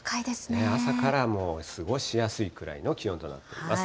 朝からもう過ごしやすいくらいの気温となっています。